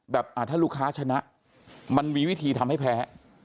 ถ้าลูกค้าชนะมันมีวิธีทำให้แพ้